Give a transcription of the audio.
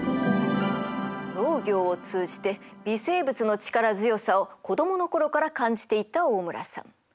農業を通じて微生物の力強さを子供の頃から感じていた大村さん。